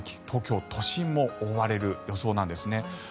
東京都心も覆われる予想なんですね。